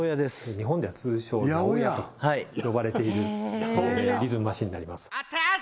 日本では通称やおやと呼ばれているリズムマシンになります